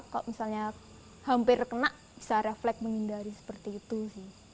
kalau misalnya hampir kena bisa refleks menghindari seperti itu sih